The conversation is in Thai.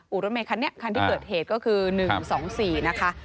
รถเมฆคันนี้คันที่เกิดเหตุก็คือ๑๒๔นะคะ